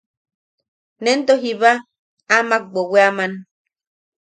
Nento jiba amak weweaman.